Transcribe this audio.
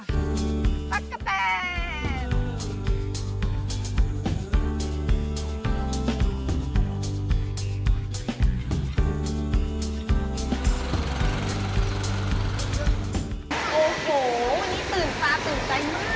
ตักะแตน